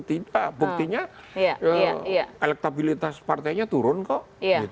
tidak buktinya elektabilitas partainya turun kok